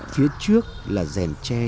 phía trước là rèn tre chân